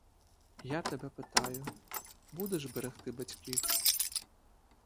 Я тебе питаю: будеш берегти батьків?